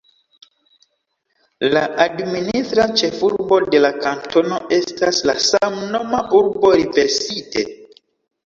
La administra ĉefurbo de la kantono estas la samnoma urbo Riverside.